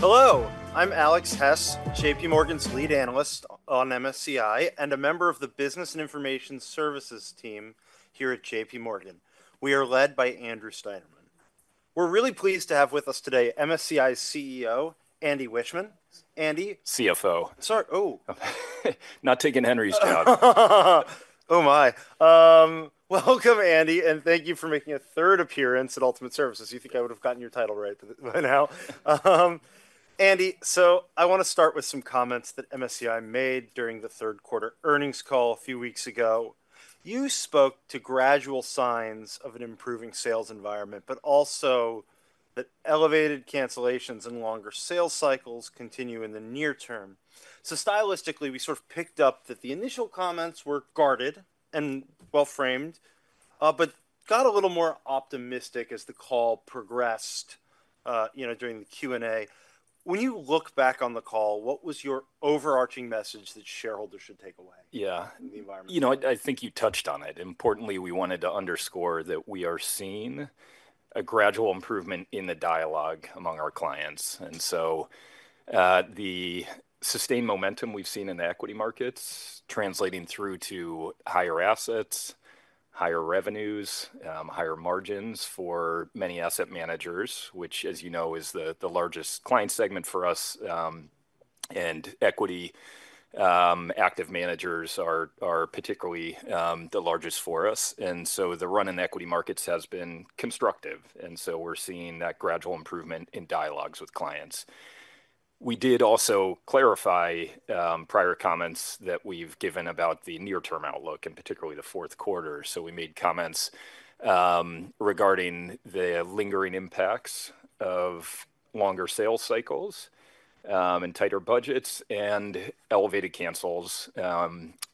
Hello. I'm Alex Hess J.P Morgan's lead analyst on MSCI and a member of the Business and Information Services team here at J.P. Morgan. We are led by Andrew Steinerman. We're really pleased to have with us today MSCI CEO, Andy Wiechmann. Andy? CFO. Sorry. Oh. Not taking Henry's job. Oh, my. Welcome, Andy, and thank you for making a third appearance at Ultimate Services. You think I would have gotten your title right by now. Andy, so I want to start with some comments that MSCI made during the third quarter earnings call a few weeks ago. You spoke to gradual signs of an improving sales environment, but also that elevated cancellations and longer sales cycles continue in the near term. So stylistically, we sort of picked up that the initial comments were guarded and well-framed, but got a little more optimistic as the call progressed during the Q&A. When you look back on the call, what was your overarching message that shareholders should take away from the environment? You know, I think you touched on it. Importantly, we wanted to underscore that we are seeing a gradual improvement in the dialogue among our clients, and so the sustained momentum we've seen in the equity markets translating through to higher assets, higher revenues, higher margins for many asset managers, which, as you know, is the largest client segment for us, and equity active managers are particularly the largest for us, and so the run in equity markets has been constructive, and so we're seeing that gradual improvement in dialogues with clients. We did also clarify prior comments that we've given about the near-term outlook and particularly the fourth quarter, so we made comments regarding the lingering impacts of longer sales cycles and tighter budgets and elevated cancels,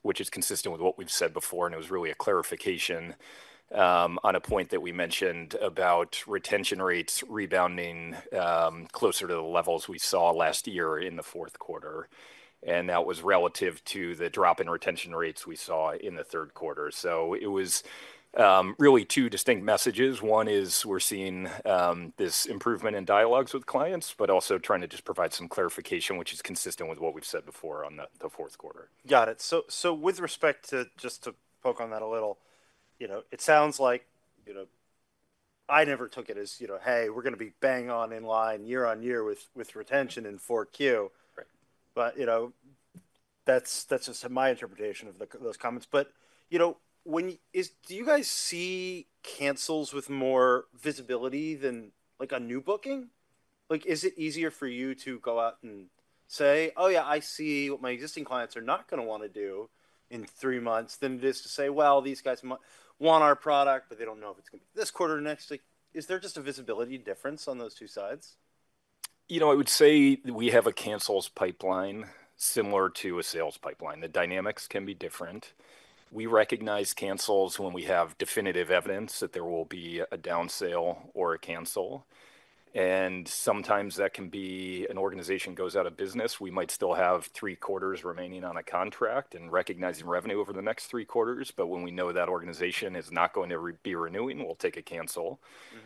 which is consistent with what we've said before. It was really a clarification on a point that we mentioned about retention rates rebounding closer to the levels we saw last year in the fourth quarter. That was relative to the drop in retention rates we saw in the third quarter. It was really two distinct messages. One is we're seeing this improvement in dialogues with clients, but also trying to just provide some clarification, which is consistent with what we've said before on the fourth quarter. Got it. So with respect to just to poke on that a little, it sounds like I never took it as, you know, hey, we're going to be bang on in line year on year with retention in Q4. But that's just my interpretation of those comments. But do you guys see cancels with more visibility than a new booking? Is it easier for you to go out and say, oh, yeah, I see what my existing clients are not going to want to do in three months than it is to say, well, these guys want our product, but they don't know if it's going to be this quarter or next? Is there just a visibility difference on those two sides? You know, I would say we have a cancels pipeline similar to a sales pipeline. The dynamics can be different. We recognize cancels when we have definitive evidence that there will be a downsale or a cancel, and sometimes that can be an organization goes out of business. We might still have three quarters remaining on a contract and recognizing revenue over the next three quarters, but when we know that organization is not going to be renewing, we'll take a cancel.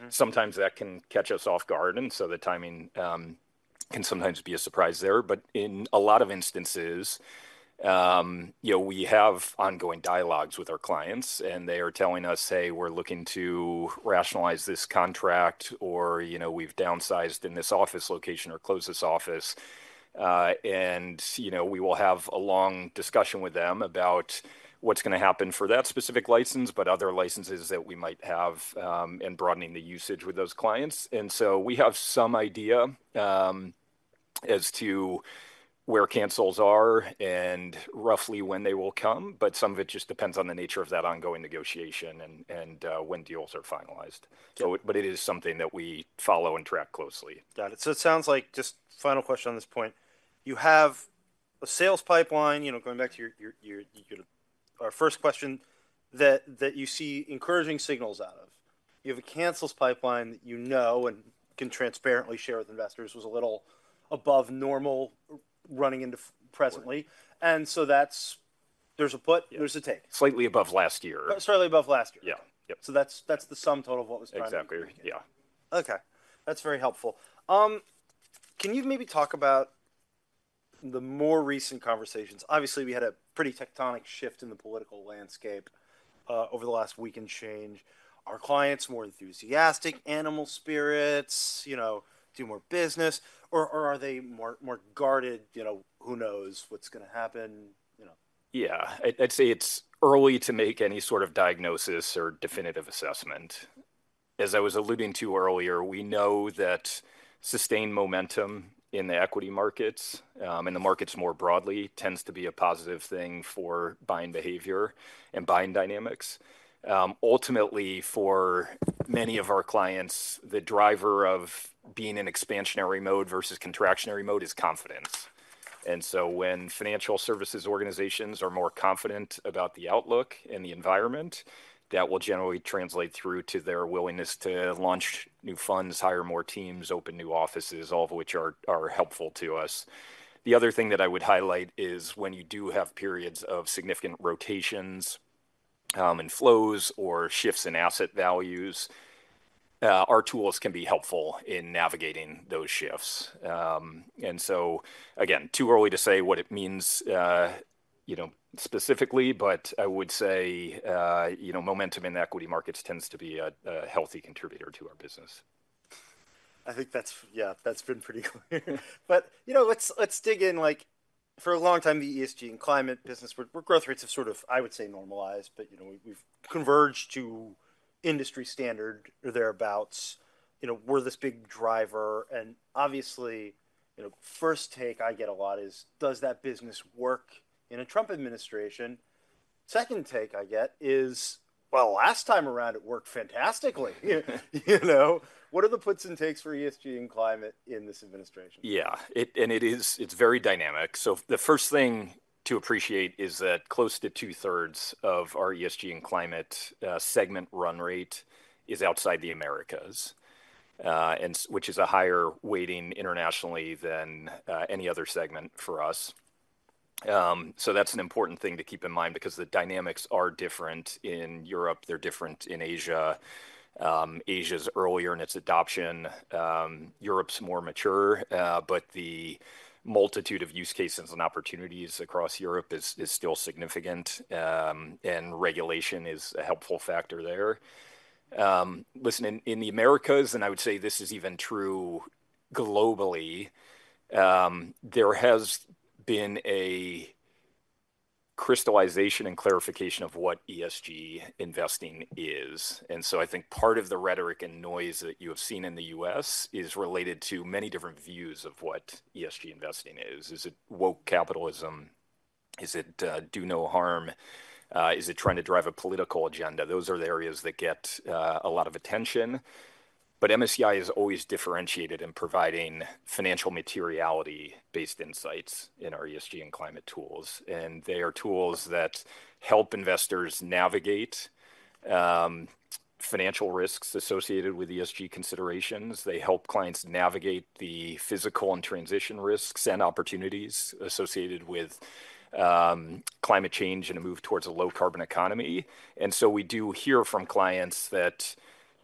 Sometimes that can catch us off guard, and so the timing can sometimes be a surprise there, but in a lot of instances, we have ongoing dialogues with our clients, and they are telling us, hey, we're looking to rationalize this contract, or we've downsized in this office location or closed this office. And we will have a long discussion with them about what's going to happen for that specific license, but other licenses that we might have and broadening the usage with those clients. And so we have some idea as to where cancels are and roughly when they will come. But some of it just depends on the nature of that ongoing negotiation and when deals are finalized. But it is something that we follow and track closely. Got it. So it sounds like just final question on this point. You have a sales pipeline, going back to our first question, that you see encouraging signals out of. You have a cancels pipeline that you know and can transparently share with investors was a little above normal running into presently. And so there's a put, there's a take. Slightly above last year. Slightly above last year. Yeah. So that's the sum total of what was driving it. Exactly. Yeah. Okay. That's very helpful. Can you maybe talk about the more recent conversations? Obviously, we had a pretty tectonic shift in the political landscape over the last week and change. Are clients more enthusiastic, animal spirits, do more business, or are they more guarded? Who knows what's going to happen? Yeah. I'd say it's early to make any sort of diagnosis or definitive assessment. As I was alluding to earlier, we know that sustained momentum in the equity markets and the markets more broadly tends to be a positive thing for buying behavior and buying dynamics. Ultimately, for many of our clients, the driver of being in expansionary mode versus contractionary mode is confidence. And so when financial services organizations are more confident about the outlook and the environment, that will generally translate through to their willingness to launch new funds, hire more teams, open new offices, all of which are helpful to us. The other thing that I would highlight is when you do have periods of significant rotations and flows or shifts in asset values, our tools can be helpful in navigating those shifts. And so, again, too early to say what it means specifically, but I would say momentum in equity markets tends to be a healthy contributor to our business. I think that's been pretty clear, but let's dig in. For a long time, the ESG and climate business, where growth rates have sort of, I would say, normalized, but we've converged to industry standard or thereabouts, were this big driver, and obviously, first take I get a lot is, does that business work in a Trump administration? Second take I get is, well, last time around, it worked fantastically. What are the puts and takes for ESG and climate in this administration? Yeah, and it's very dynamic, so the first thing to appreciate is that close to two-thirds of our ESG and climate segment run rate is outside the Americas, which is a higher weighting internationally than any other segment for us, so that's an important thing to keep in mind because the dynamics are different in Europe. They're different in Asia. Asia's earlier in its adoption. Europe's more mature, but the multitude of use cases and opportunities across Europe is still significant, and regulation is a helpful factor there. Listen, in the Americas, and I would say this is even true globally, there has been a crystallization and clarification of what ESG investing is, and so I think part of the rhetoric and noise that you have seen in the US is related to many different views of what ESG investing is. Is it woke capitalism? Is it do no harm? Is it trying to drive a political agenda? Those are the areas that get a lot of attention. But MSCI has always differentiated in providing financial materiality-based insights in our ESG and climate tools. And they are tools that help investors navigate financial risks associated with ESG considerations. They help clients navigate the physical and transition risks and opportunities associated with climate change and a move towards a low-carbon economy. And so we do hear from clients that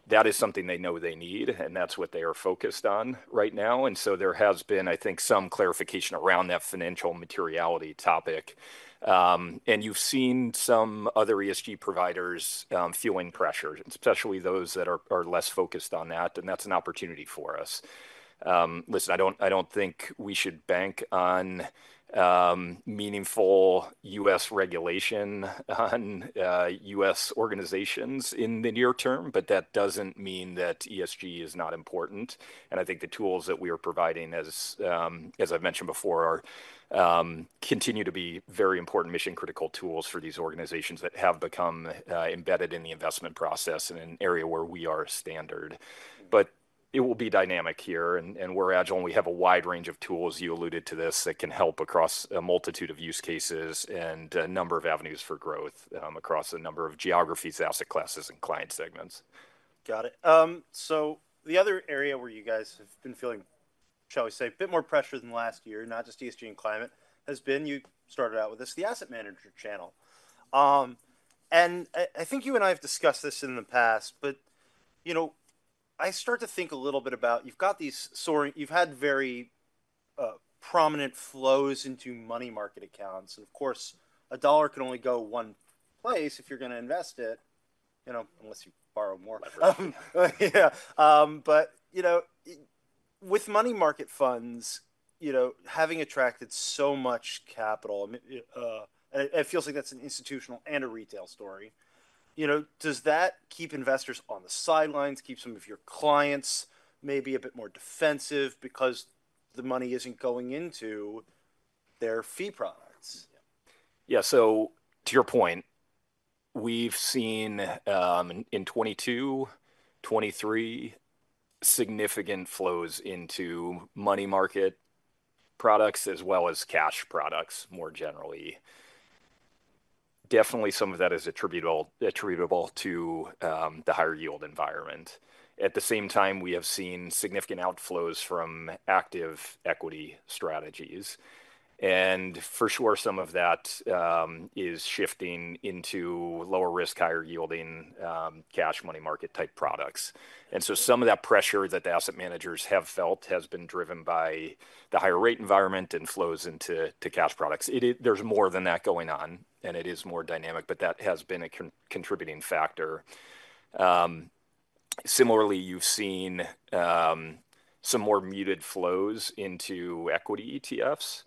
that is something they know they need, and that's what they are focused on right now. And so there has been, I think, some clarification around that financial materiality topic. And you've seen some other ESG providers feeling pressured, especially those that are less focused on that. And that's an opportunity for us. Listen, I don't think we should bank on meaningful U.S. regulation on U.S. organizations in the near term, but that doesn't mean that ESG is not important, and I think the tools that we are providing, as I've mentioned before, continue to be very important mission-critical tools for these organizations that have become embedded in the investment process and an area where we are standard, but it will be dynamic here, and we're agile, and we have a wide range of tools, you alluded to this, that can help across a multitude of use cases and a number of avenues for growth across a number of geographies, asset classes, and client segments. Got it. So the other area where you guys have been feeling, shall we say, a bit more pressure than last year, not just ESG and climate, has been, you started out with this, the asset manager channel. And I think you and I have discussed this in the past, but I start to think a little bit about you've had very prominent flows into money market accounts. And of course, a dollar can only go one place if you're going to invest it, unless you borrow more for it. But with money market funds, having attracted so much capital, it feels like that's an institutional and a retail story. Does that keep investors on the sidelines, keep some of your clients maybe a bit more defensive because the money isn't going into their fee products? Yeah. So to your point, we've seen in 2022, 2023, significant flows into money market products as well as cash products more generally. Definitely, some of that is attributable to the higher yield environment. At the same time, we have seen significant outflows from active equity strategies. And for sure, some of that is shifting into lower risk, higher yielding cash money market type products. And so some of that pressure that the asset managers have felt has been driven by the higher rate environment and flows into cash products. There's more than that going on, and it is more dynamic, but that has been a contributing factor. Similarly, you've seen some more muted flows into equity ETFs.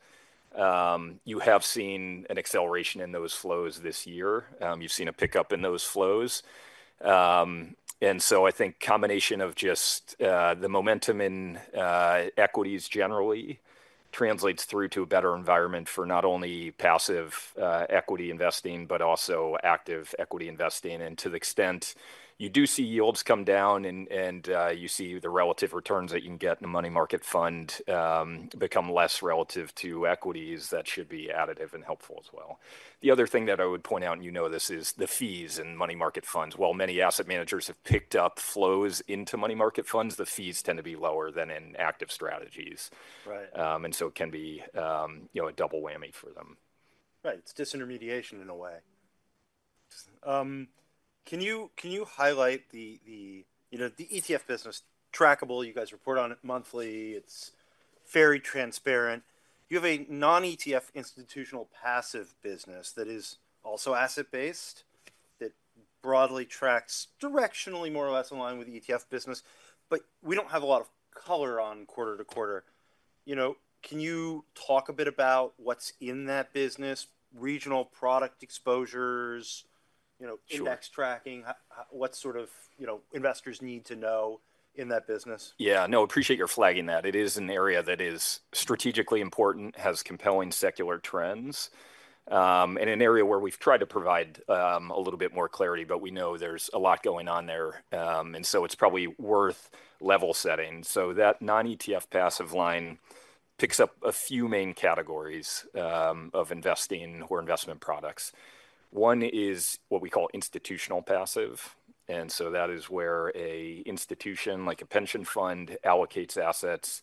You have seen an acceleration in those flows this year. You've seen a pickup in those flows. And so I think combination of just the momentum in equities generally translates through to a better environment for not only passive equity investing, but also active equity investing. And to the extent you do see yields come down and you see the relative returns that you can get in a money market fund become less relative to equities, that should be additive and helpful as well. The other thing that I would point out, and you know this, is the fees in money market funds. While many asset managers have picked up flows into money market funds, the fees tend to be lower than in active strategies. And so it can be a double whammy for them. Right. It's disintermediation in a way. Can you highlight the ETF business? Trackable. You guys report on it monthly. It's very transparent. You have a non-ETF institutional passive business that is also asset-based that broadly tracks directionally more or less in line with the ETF business. But we don't have a lot of color on quarter to quarter. Can you talk a bit about what's in that business, regional product exposures, index tracking, what sort of investors need to know in that business? Yeah. No, appreciate your flagging that. It is an area that is strategically important, has compelling secular trends, and an area where we've tried to provide a little bit more clarity. But we know there's a lot going on there. And so it's probably worth level setting. So that non-ETF passive line picks up a few main categories of investing or investment products. One is what we call institutional passive. And so that is where an institution like a pension fund allocates assets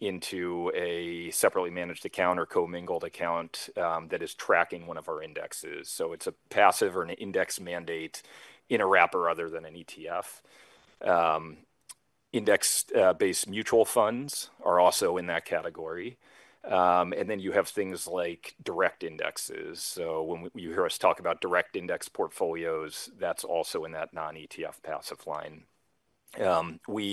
into a separately managed account or co-mingled account that is tracking one of our indexes. So it's a passive or an index mandate in a wrapper other than an ETF. Index-based mutual funds are also in that category. And then you have things like direct indexes. So when you hear us talk about direct index portfolios, that's also in that non-ETF passive line.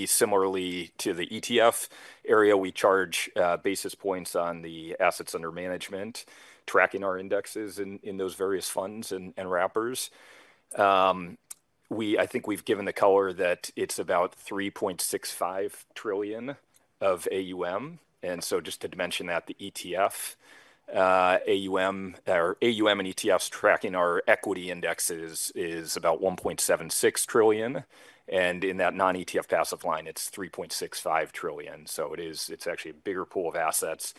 Similarly to the ETF area, we charge basis points on the assets under management, tracking our indexes in those various funds and wrappers. I think we've given the color that it's about $3.65 trillion of AUM. And so just to mention that, the ETF, AUM and ETFs tracking our equity indexes is about $1.76 trillion. And in that non-ETF passive line, it's $3.65 trillion. So it's actually a bigger pool of assets.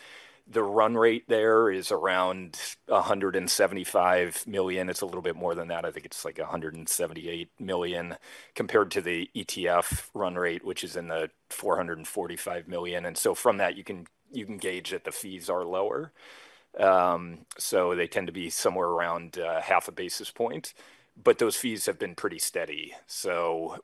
The run rate there is around $175 million. It's a little bit more than that. I think it's like $178 million compared to the ETF run rate, which is in the $445 million. And so from that, you can gauge that the fees are lower. So they tend to be somewhere around half a basis point. But those fees have been pretty steady. So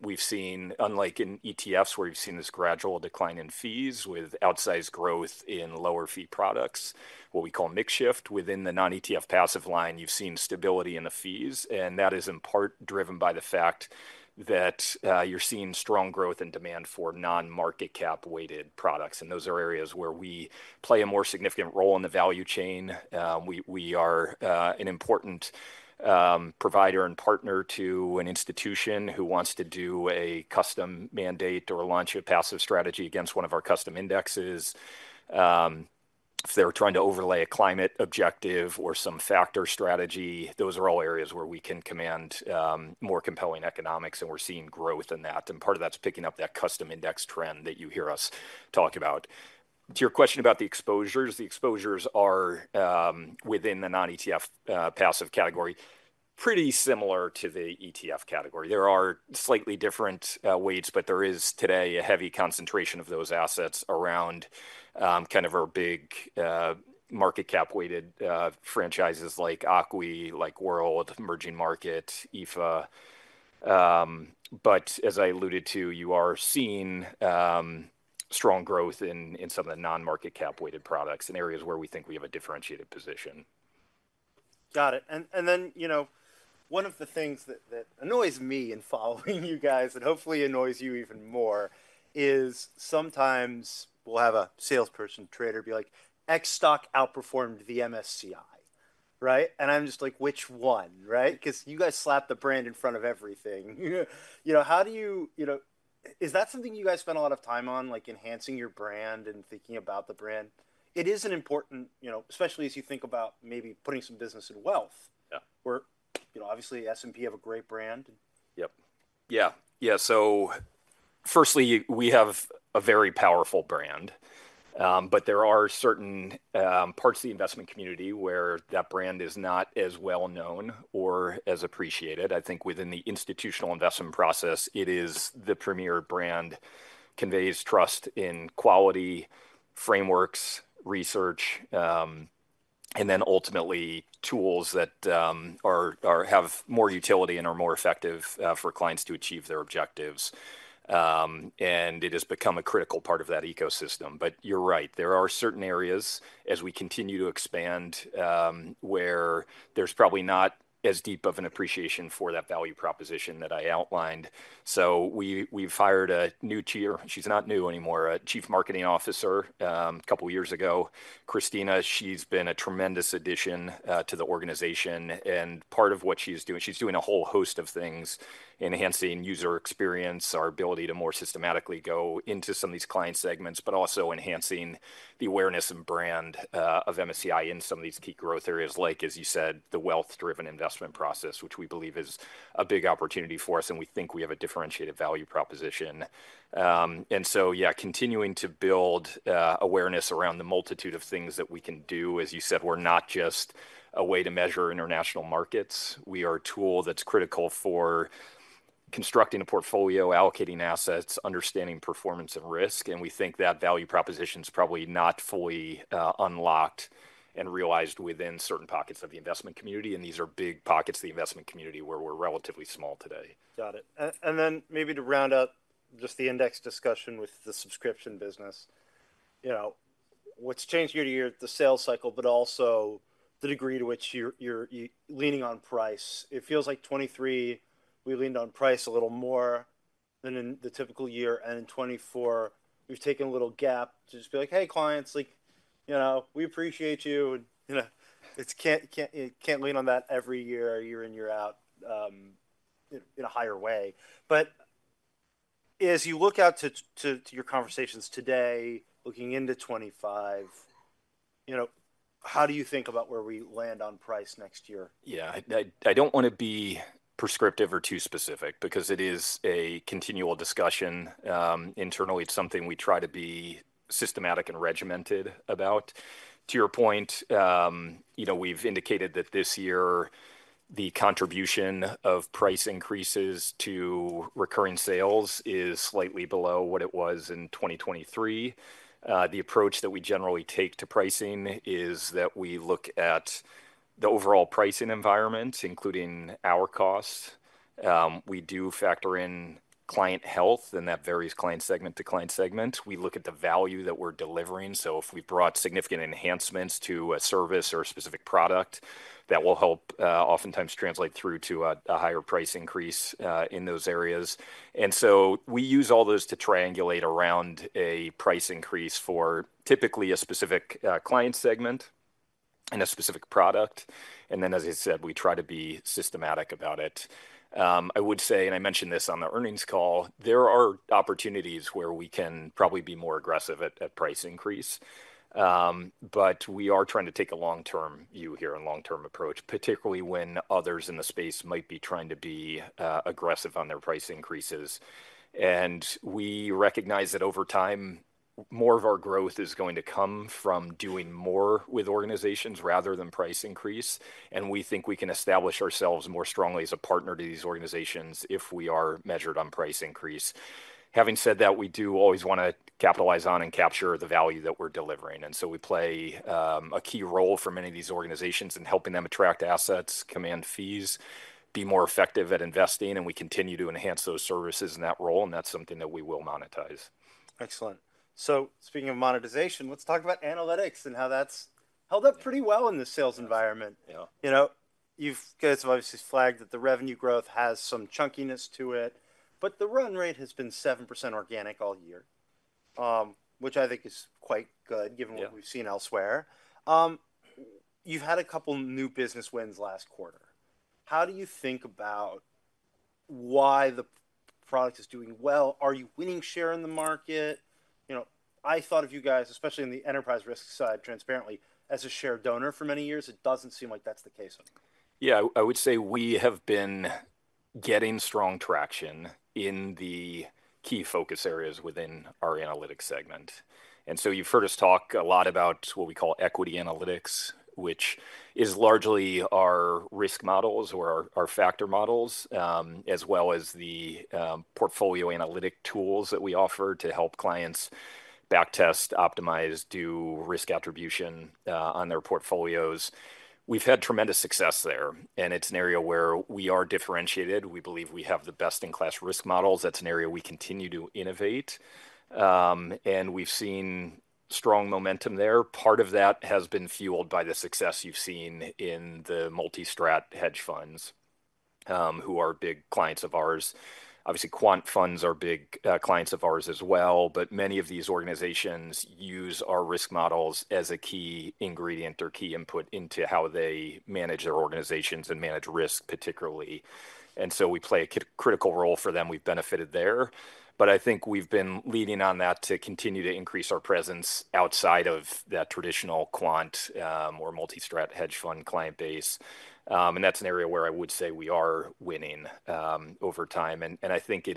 we've seen, unlike in ETFs where you've seen this gradual decline in fees with outsized growth in lower fee products, what we call mix shift within the non-ETF passive line, you've seen stability in the fees. And that is in part driven by the fact that you're seeing strong growth in demand for non-market cap weighted products. And those are areas where we play a more significant role in the value chain. We are an important provider and partner to an institution who wants to do a custom mandate or launch a passive strategy against one of our custom indexes. If they're trying to overlay a climate objective or some factor strategy, those are all areas where we can command more compelling economics. And we're seeing growth in that. And part of that's picking up that custom index trend that you hear us talk about. To your question about the exposures, the exposures are within the non-ETF passive category, pretty similar to the ETF category. There are slightly different weights, but there is today a heavy concentration of those assets around kind of our big market cap weighted franchises like ACWI, like World, Emerging Markets, EFA. But as I alluded to, you are seeing strong growth in some of the non-market cap weighted products in areas where we think we have a differentiated position. Got it. And then one of the things that annoys me in following you guys, and hopefully annoys you even more, is sometimes we'll have a salesperson, trader be like, "X stock outperformed the MSCI." And I'm just like, "Which one?" Because you guys slap the brand in front of everything. Is that something you guys spend a lot of time on, like enhancing your brand and thinking about the brand? It is an important, especially as you think about maybe putting some business in wealth, where obviously S&P have a great brand. So firstly, we have a very powerful brand. But there are certain parts of the investment community where that brand is not as well known or as appreciated. I think within the institutional investment process, it is the premier brand, conveys trust in quality frameworks, research, and then ultimately tools that have more utility and are more effective for clients to achieve their objectives. And it has become a critical part of that ecosystem. But you're right. There are certain areas as we continue to expand where there's probably not as deep of an appreciation for that value proposition that I outlined. So we've hired a new, she's not new anymore, a Chief Marketing Officer a couple of years ago, Kristina. She's been a tremendous addition to the organization. Part of what she's doing, she's doing a whole host of things, enhancing user experience, our ability to more systematically go into some of these client segments, but also enhancing the awareness and brand of MSCI in some of these key growth areas, like, as you said, the wealth-driven investment process, which we believe is a big opportunity for us. We think we have a differentiated value proposition. So, yeah, continuing to build awareness around the multitude of things that we can do. As you said, we're not just a way to measure international markets. We are a tool that's critical for constructing a portfolio, allocating assets, understanding performance and risk. We think that value proposition is probably not fully unlocked and realized within certain pockets of the investment community. These are big pockets of the investment community where we're relatively small today. Got it. And then maybe to round out just the index discussion with the subscription business, what's changed year to year at the sales cycle, but also the degree to which you're leaning on price? It feels like 2023, we leaned on price a little more than in the typical year. And in 2024, we've taken a little gap to just be like, "Hey, clients, we appreciate you." And you know can't lean on that every year, year in, year out in a higher way. But as you look out to your conversations today, looking into 2025, how do you think about where we land on price next year? Yeah. I don't want to be prescriptive or too specific because it is a continual discussion. Internally, it's something we try to be systematic and regimented about. To your point, we've indicated that this year the contribution of price increases to recurring sales is slightly below what it was in 2023. The approach that we generally take to pricing is that we look at the overall pricing environment, including our costs. We do factor in client health, and that varies client segment to client segment. We look at the value that we're delivering. So if we've brought significant enhancements to a service or a specific product, that will help oftentimes translate through to a higher price increase in those areas. And so we use all those to triangulate around a price increase for typically a specific client segment and a specific product. And then, as I said, we try to be systematic about it. I would say, and I mentioned this on the earnings call, there are opportunities where we can probably be more aggressive at price increase. But we are trying to take a long-term view here and long-term approach, particularly when others in the space might be trying to be aggressive on their price increases. And we recognize that over time, more of our growth is going to come from doing more with organizations rather than price increase. And we think we can establish ourselves more strongly as a partner to these organizations if we are measured on price increase. Having said that, we do always want to capitalize on and capture the value that we're delivering. And so we play a key role for many of these organizations in helping them attract assets, command fees, be more effective at investing. And we continue to enhance those services in that role. And that's something that we will monetize. Excellent. So speaking of monetization, let's talk about analytics and how that's held up pretty well in the sales environment. You guys have obviously flagged that the revenue growth has some chunkiness to it. But the run rate has been 7% organic all year, which I think is quite good given what we've seen elsewhere. You've had a couple of new business wins last quarter. How do you think about why the product is doing well? Are you winning share in the market? I thought of you guys, especially on the enterprise risk side, transparently, as a share donor for many years. It doesn't seem like that's the case on you. Yeah. I would say we have been getting strong traction in the key focus areas within our analytics segment. And so you've heard us talk a lot about what we call equity analytics, which is largely our risk models or our factor models, as well as the portfolio analytic tools that we offer to help clients backtest, optimize, do risk attribution on their portfolios. We've had tremendous success there. And it's an area where we are differentiated. We believe we have the best-in-class risk models. That's an area we continue to innovate. And we've seen strong momentum there. Part of that has been fueled by the success you've seen in the multi-strat hedge funds, who are big clients of ours. Obviously, Quant Funds are big clients of ours as well. But many of these organizations use our risk models as a key ingredient or key input into how they manage their organizations and manage risk particularly. And so we play a critical role for them. We've benefited there. But I think we've been leading on that to continue to increase our presence outside of that traditional Quant or multi-strat hedge fund client base. And that's an area where I would say we are winning over time. And I think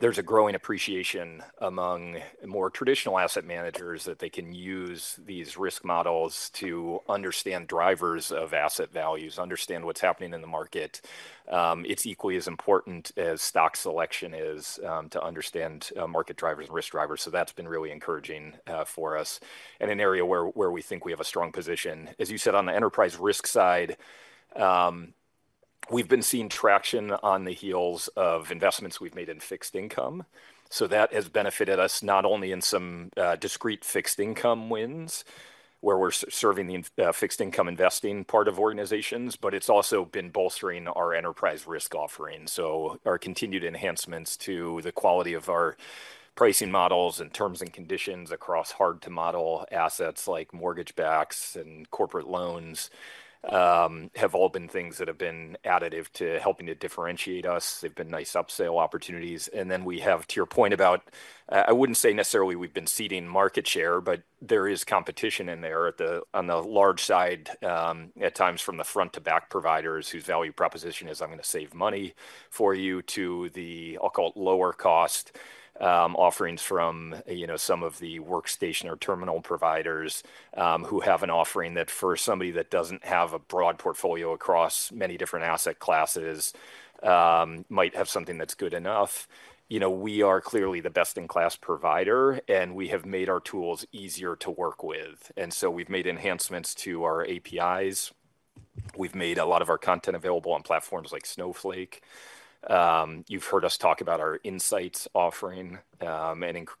there's a growing appreciation among more traditional asset managers that they can use these risk models to understand drivers of asset values, understand what's happening in the market. It's equally as important as stock selection is to understand market drivers and risk drivers. So that's been really encouraging for us and an area where we think we have a strong position. As you said, on the enterprise risk side, we've been seeing traction on the heels of investments we've made in fixed income, so that has benefited us not only in some discrete fixed income wins where we're serving the fixed income investing part of organizations, but it's also been bolstering our enterprise risk offering, so our continued enhancements to the quality of our pricing models and terms and conditions across hard-to-model assets like mortgage-backs and corporate loans have all been things that have been additive to helping to differentiate us. They've been nice upsell opportunities. And then we have, to your point about, I wouldn't say necessarily we've been ceding market share, but there is competition in there on the large side at times from the front-to-back providers whose value proposition is, "I'm going to save money for you," to the, I'll call it lower-cost offerings from some of the workstation or terminal providers who have an offering that for somebody that doesn't have a broad portfolio across many different asset classes might have something that's good enough. We are clearly the best-in-class provider, and we have made our tools easier to work with. And so we've made enhancements to our APIs. We've made a lot of our content available on platforms like Snowflake. You've heard us talk about our insights offering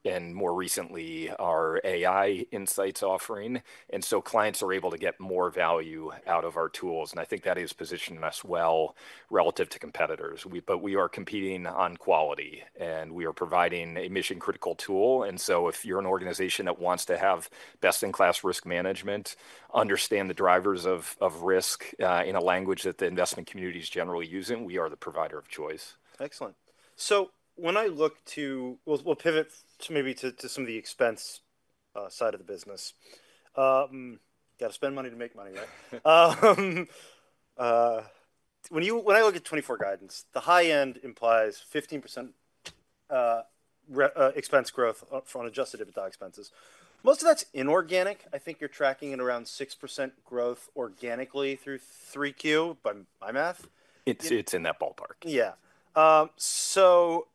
and more recently our AI Insights offering. And so clients are able to get more value out of our tools. And I think that is positioning us well relative to competitors. But we are competing on quality. And we are providing a mission-critical tool. And so if you're an organization that wants to have best-in-class risk management, understand the drivers of risk in a language that the investment community is generally using, we are the provider of choice. Excellent. So when I look to, we'll pivot maybe to some of the expense side of the business. Got to spend money to make money, right? When I look at 2024 guidance, the high end implies 15% expense growth from Adjusted EBITDA expenses. Most of that's inorganic. I think you're tracking at around 6% growth organically through 3Q by math. It's in that ballpark. Yeah. So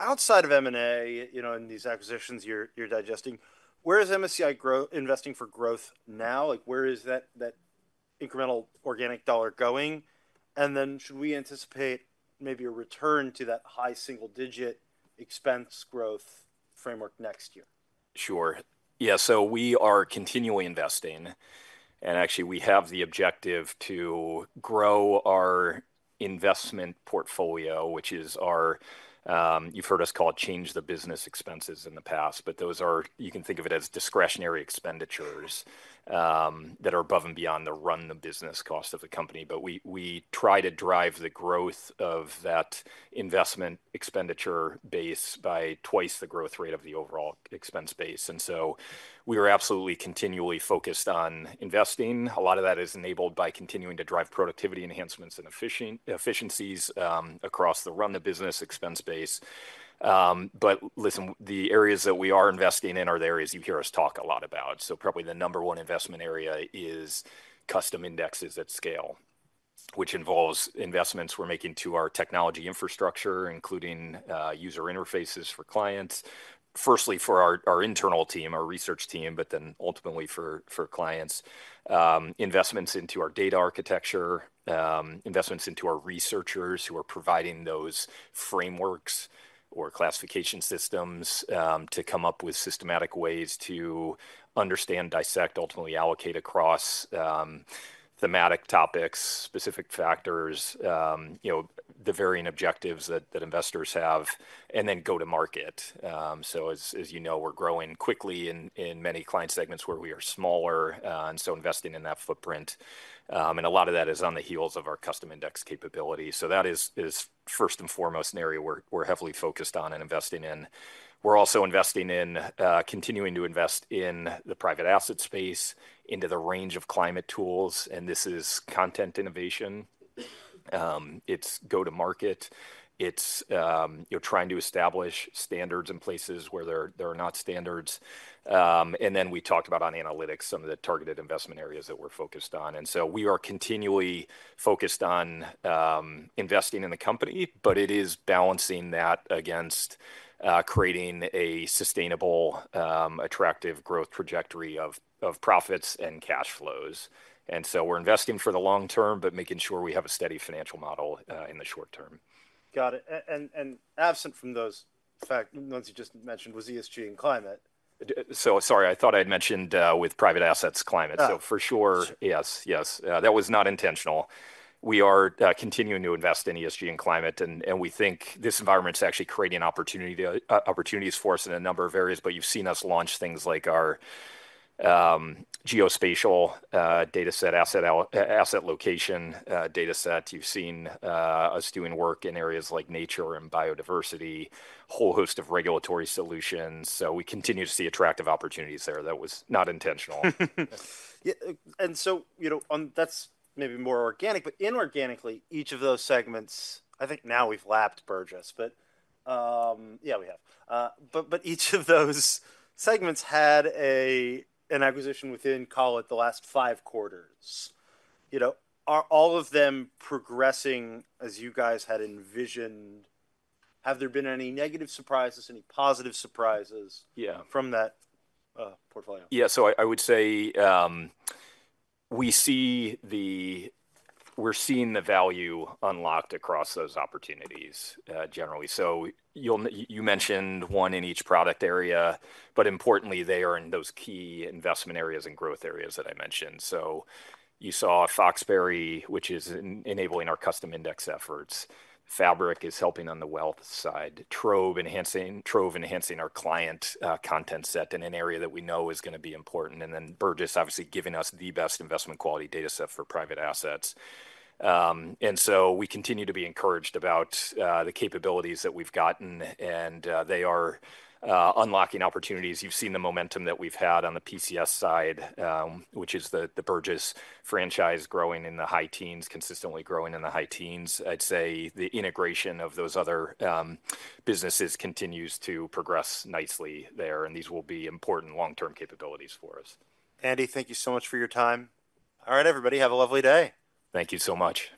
outside of M&A and these acquisitions you're digesting, where is MSCI investing for growth now? Where is that incremental organic dollar going? And then should we anticipate maybe a return to that high single-digit expense growth framework next year? Sure. Yeah, so we are continually investing, and actually, we have the objective to grow our investment portfolio, which is our—you've heard us call it Change-the-business expenses in the past—but those are. You can think of it as discretionary expenditures that are above and beyond the Run-the-business cost of the company, but we try to drive the growth of that investment expenditure base by twice the growth rate of the overall expense base, and so we are absolutely continually focused on investing. A lot of that is enabled by continuing to drive productivity enhancements and efficiencies across the Run-the-business expense base. But listen, the areas that we are investing in are the areas you hear us talk a lot about, so probably the number one investment area is Custom indexes at scale, which involves investments we're making to our technology infrastructure, including user interfaces for clients. Firstly, for our internal team, our research team, but then ultimately for clients, investments into our data architecture, investments into our researchers who are providing those frameworks or classification systems to come up with systematic ways to understand, dissect, ultimately allocate across thematic topics, specific factors, the varying objectives that investors have, and then go to market. So as you know, we're growing quickly in many client segments where we are smaller, and so investing in that footprint, and a lot of that is on the heels of our custom index capability, so that is first and foremost an area we're heavily focused on and investing in. We're also investing in continuing to invest in the private asset space, into the range of climate tools, and this is content innovation. It's go-to-market. It's trying to establish standards in places where there are not standards. And then we talked about on analytics, some of the targeted investment areas that we're focused on. And so we are continually focused on investing in the company, but it is balancing that against creating a sustainable, attractive growth trajectory of profits and cash flows. And so we're investing for the long term, but making sure we have a steady financial model in the short term. Got it. And absent from those facts, the ones you just mentioned was ESG and climate. So sorry, I thought I had mentioned with private assets, climate. So for sure, yes, yes. That was not intentional. We are continuing to invest in ESG and climate. And we think this environment's actually creating opportunities for us in a number of areas. But you've seen us launch things like our geospatial dataset, asset location dataset. You've seen us doing work in areas like nature and biodiversity, a whole host of regulatory solutions. So we continue to see attractive opportunities there. That was not intentional. And so that's maybe more organic. But inorganically, each of those segments, I think now we've lapped Burgiss. But yeah, we have. But each of those segments had an acquisition within, call it the last five quarters. Are all of them progressing as you guys had envisioned? Have there been any negative surprises, any positive surprises from that portfolio? Yeah. I would say we're seeing the value unlocked across those opportunities generally, so you mentioned one in each product area. Importantly, they are in those key investment areas and growth areas that I mentioned, so you saw Foxberry, which is enabling our custom index efforts. Fabric is helping on the wealth side. Trove enhancing our client content set in an area that we know is going to be important. Then Burgiss, obviously, giving us the best investment quality dataset for private assets, so we continue to be encouraged about the capabilities that we've gotten. They are unlocking opportunities. You've seen the momentum that we've had on the PCS side, which is the Burgiss franchise growing in the high teens, consistently growing in the high teens. I'd say the integration of those other businesses continues to progress nicely there. These will be important long-term capabilities for us. Andy, thank you so much for your time. All right, everybody, have a lovely day. Thank you so much.